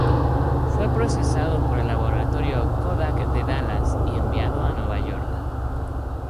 Fue procesado por el laboratorio Kodak de Dallas, y enviado a Nueva York.